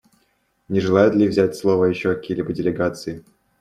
Не желают ли взять слово еще какие-либо делегации?